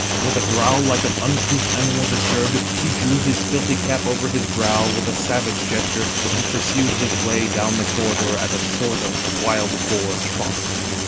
With a growl like an uncouth animal disturbed, he drew his filthy cap over his brow with a savage gesture and pursued his way down the corridor at a sort of wild boar trot.